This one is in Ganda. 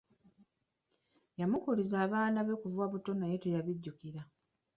Yamukuliza abaana be okuva nga bato naye teyabijjukira.